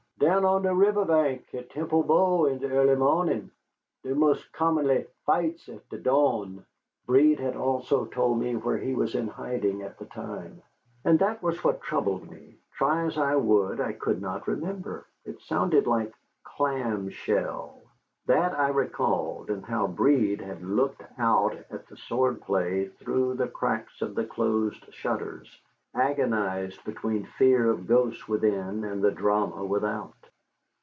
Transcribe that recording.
Down on de riveh bank at Temple Bow in de ea'ly mo'nin'! Dey mos' commonly fights at de dawn." Breed had also told me where he was in hiding at the time, and that was what troubled me. Try as I would, I could not remember. It had sounded like Clam Shell. That I recalled, and how Breed had looked out at the sword play through the cracks of the closed shutters, agonized between fear of ghosts within and the drama without.